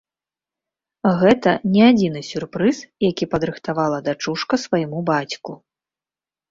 Гэта не адзіны сюрпрыз, які падрыхтавала дачушка свайму бацьку.